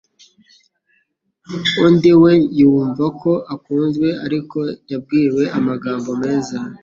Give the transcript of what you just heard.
undi we yumva ko akunzwe ari uko yabwiwe amagambo meza